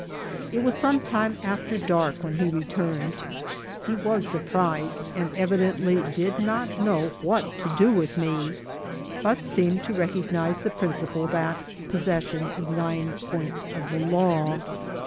It was some time after dark when he returned. He was surprised, and evidently did not know what to dp with me, but seemed to recognise the principle that possession is nine points of the law.